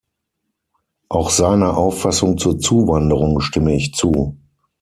Auch seiner Auffassung zur Zuwanderung stimme ich zu.